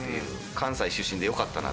関西出身でよかったな。